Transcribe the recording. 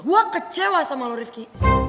gue kecewa sama lo rifqi